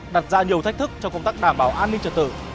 đặt ra nhiều thách thức cho công tác đảm bảo an ninh